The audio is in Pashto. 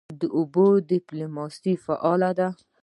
د اوبو ډیپلوماسي فعاله ده؟